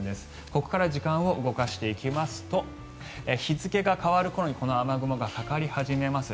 ここから時間を動かしていきますと日付が変わる頃にこの雨雲がかかり始めます。